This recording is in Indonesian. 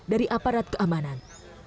dari aparat keamanan